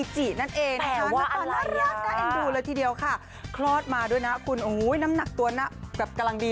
สำเนียงดีสำเนียงดี